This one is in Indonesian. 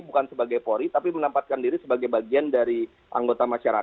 bukan sebagai polri tapi menempatkan diri sebagai bagian dari anggota masyarakat